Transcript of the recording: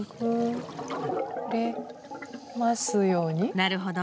なるほど。